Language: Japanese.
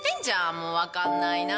もう、分かんないなー。